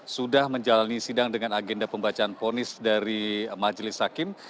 sudah menjalani sidang dengan agenda pembacaan ponis dari majelis hakim